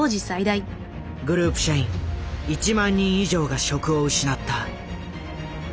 グループ社員１万人以上が職を失った。